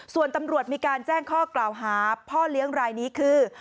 ส่วนตำรวจมีการแจ้งข้อกล่าวหาพ่อเลี้ยงรายนี้คือ